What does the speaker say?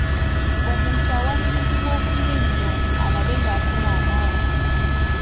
Omuntu awalirizibwa okunywa ennyo alabe ng'afuna amaanyi.